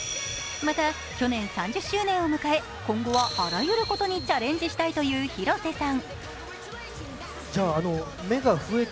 また去年３０周年を迎え今後はあらゆることにチャレンジしたいという広瀬さん。